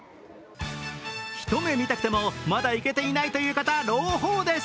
ひと目見たくてもまだ行けていないという方、朗報です。